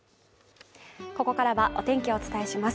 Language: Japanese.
ここからはお天気をお伝えします。